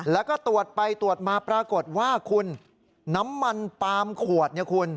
แล้วก็ตรวจไปตรวจมาปรากฏว่าน้ำมันปาล์มขวด